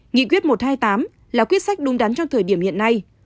nghị quyết một trăm hai mươi tám là quyết sách đúng đắn trong thời điểm hiện nay